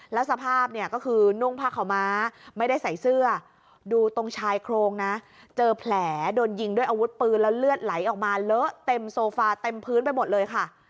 แล้วสภาพเนี่ยก็คือนุ่งผ้าขาวม้าไม่ได้ใส่เสื้อดูตรงชายโครงนะเจอแผลโดนยิงด้วยอาวุธปืนแล้วเลือดไหลออกมาเลอะเต็มโซฟาเต็มพื้นไปหมดเลยค่ะ